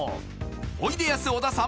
おいでやす小田さん